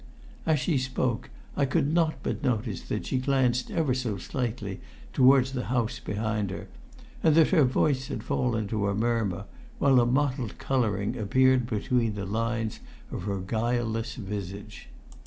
As she spoke I could not but notice that she glanced ever so slightly towards the house behind her, and that her voice had fallen to a murmur, while a mottled colouring appeared between the lines of her guileless visage.